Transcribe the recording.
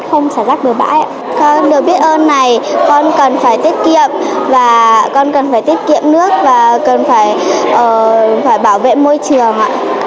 con đường biết ơn này con cần phải tiết kiệm nước và cần phải bảo vệ môi trường